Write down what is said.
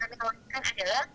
terutama akomodasi di arab saudi